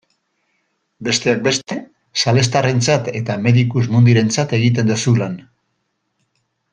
Besteak beste salestarrentzat eta Medicus Mundirentzat egiten duzu lan.